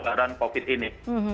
pendebaran covid ini